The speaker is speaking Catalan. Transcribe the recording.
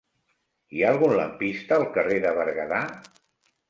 Hi ha algun lampista al carrer de Berguedà?